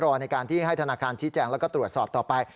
ในการที่ให้ธนาคารชี้แจงแล้วก็ตรวจสอบต่อไป